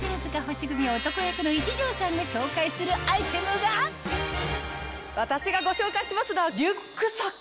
星組男役の壱城さんが紹介するアイテムが私がご紹介しますのはリュックサックです。